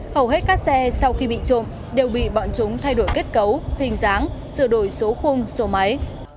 hầu hết các xe sau khi bị trộm đều bị bọn chúng thay đổi kết cấu hình dáng sửa đổi số khung số máy